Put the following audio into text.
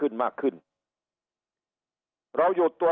ลูกหลานบอกว่าเรียกรถไปหลายครั้งนะครับ